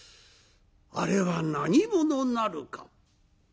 「あれは何者なるか」。